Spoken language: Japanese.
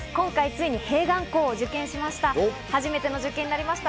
今回ついに併願校を受験しました。